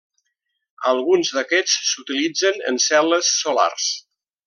Alguns d'aquests s'utilitzen en cel·les solars.